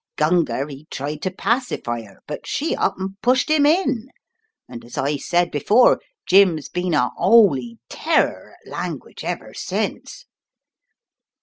Gunga he tried to pacify her, but she up and pushed him in, and as I said before, Jim's been a 'oly terror at language ever since!